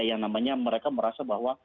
yang namanya mereka merasa bahwa